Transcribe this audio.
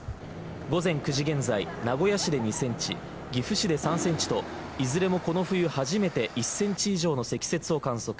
午前９時現在、名古屋市で２ｃｍ、岐阜市で３ｃｍといずれもこの冬初めて１ｃｍ以上の積雪を観測。